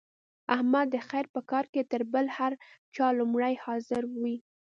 احمد د خیر په کار کې تر بل هر چا لومړی حاضر وي.